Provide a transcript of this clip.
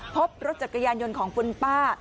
พบรถจักรยานยนต์ของคุณป้า